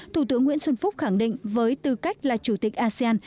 thủ tướng nguyễn xuân phúc khẳng định với tư cách là chủ tịch asean